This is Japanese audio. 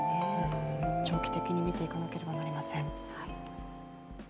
長期的に見ていかなければなりません。